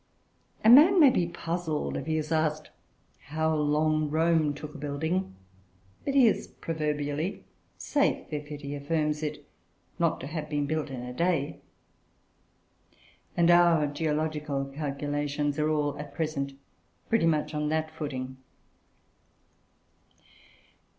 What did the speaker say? A man may be puzzled if he is asked how long Rome took a building; but he is proverbially safe if he affirms it not to have been built in a day; and our geological calculations are all, at present, pretty much on that footing.